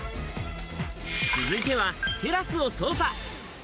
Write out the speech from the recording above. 続いてはテラスを捜査。